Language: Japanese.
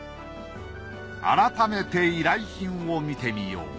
改めて依頼品を見てみよう。